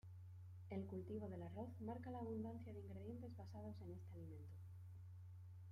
El cultivo del arroz marca la abundancia de ingredientes basados en este alimento.